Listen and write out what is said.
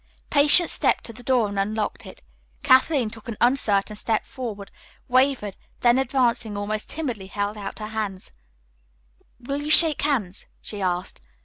Patience stepped to the door and unlocked it. Kathleen took an uncertain step forward, wavered, then, advancing almost timidly, held out her hand. "Will you shake hands?" she asked.